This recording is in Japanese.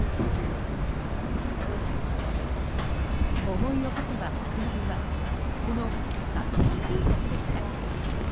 思い起こせば、始まりはこのたっちゃんＴシャツでした。